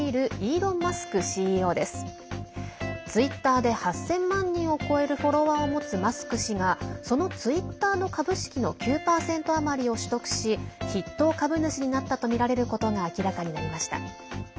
ツイッターで８０００万人を超えるフォロワーを持つマスク氏がそのツイッターの株式の９％余りを取得し筆頭株主になったとみられることが明らかになりました。